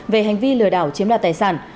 về hành vi lừa đảo chiếm đạt tài sản